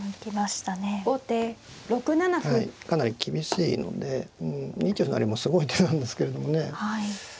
かなり厳しいので２一歩成もすごい手なんですけれどもね。